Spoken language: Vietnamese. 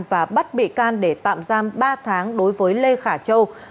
và bắt bị can để tạm giam ba tháng đối với lê khả châu